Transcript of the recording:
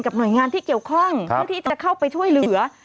หน่วยงานที่เกี่ยวข้องเพื่อที่จะเข้าไปช่วยเหลือ